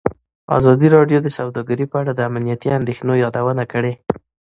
ازادي راډیو د سوداګري په اړه د امنیتي اندېښنو یادونه کړې.